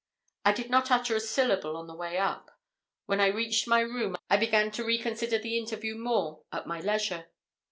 I did not utter a syllable on the way up. When I reached my room, I began to reconsider the interview more at my leisure.